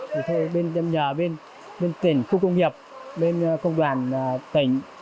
thì thôi bên nhà bên tỉnh khu công nghiệp bên công đoàn tỉnh